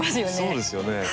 そうですよね。